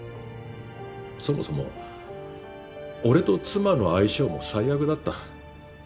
そもそも俺と妻の相性も最悪だった。